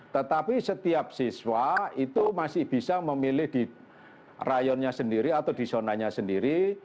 tetapi setiap siswa itu masih bisa memilih di rayonnya sendiri atau di zonanya sendiri